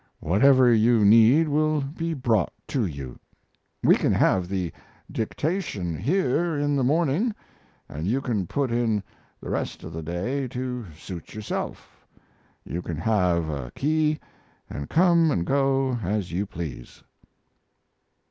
Whatever you need will be brought to you. We can have the dictation here in the morning, and you can put in the rest of the day to suit yourself. You can have a key and come and go as you please."